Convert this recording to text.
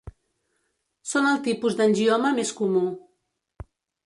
Són el tipus d'angioma més comú.